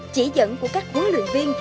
chỉ dẫn của các huấn luyện viên